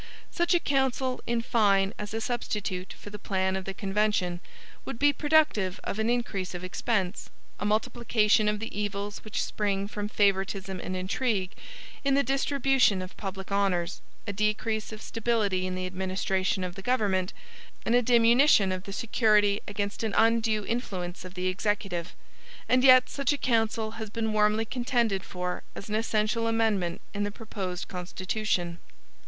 Such a council, in fine, as a substitute for the plan of the convention, would be productive of an increase of expense, a multiplication of the evils which spring from favoritism and intrigue in the distribution of public honors, a decrease of stability in the administration of the government, and a diminution of the security against an undue influence of the Executive. And yet such a council has been warmly contended for as an essential amendment in the proposed Constitution.